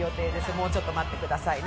もうちょっと待ってくださいね。